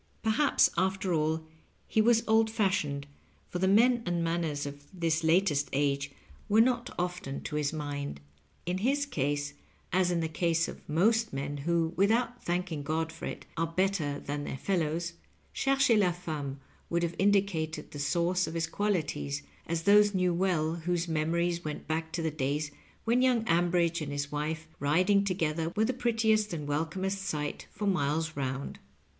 Ferhaps, after all, he was old fashioned, for the men and manners of this latest age were not often to Digitized by VjOOQIC LOVE AND LIGHTNING. 209 Jbis mind. In his case, a8 in the case of most men who, without thanking God for it, are better than their fel lows, "cherchez la femme" would have indicated the source of his qualities, as those knew weU whose memo ries went back to the days when young Ambridge and his wife, riding together, were the prettiest and wel comest sight for miles round.